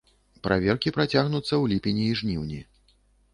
Праверкі працягнуцца ў ліпені і жніўні.